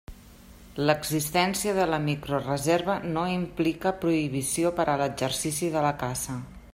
L'existència de la microreserva no implica prohibició per a l'exercici de la caça.